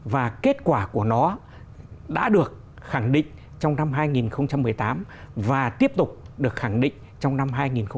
và kết quả của nó đã được khẳng định trong năm hai nghìn một mươi tám và tiếp tục được khẳng định trong năm hai nghìn một mươi tám